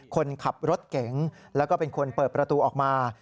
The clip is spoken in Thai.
คนขับรถเก๋งแล้วก็เป็นคนเปิดประตูออกมา